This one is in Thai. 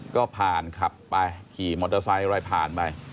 ก็ผ่านขับไปขี่มอเตอร์ไซค์อะไรผ่านไป